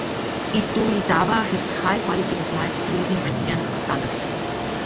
Ituiutaba has high quality of life, using Brazilian standards.